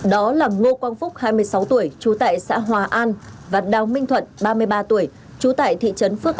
đó là ngô quang phúc hai mươi sáu tuổi trú tại xã hòa an và đào minh thuận ba mươi ba tuổi trú tại thị trấn phước